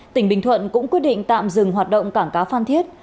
tỉnh bình thuận cũng quyết định tạm dừng hoạt động cảng cá phan thiết